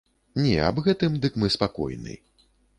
Не, аб гэтым дык мы спакойны.